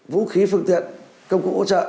vũ khí phương tiện công cụ ổ trợ